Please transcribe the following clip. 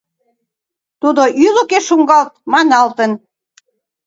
Тудо «Ӱлыкӧ шуҥгалт» маналтын.